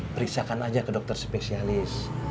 periksakan aja ke dokter spesialis